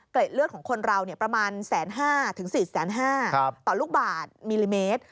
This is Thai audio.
เลือดของคนเราประมาณ๑๕๐๐๔๕๐๐ต่อลูกบาทมิลลิเมตร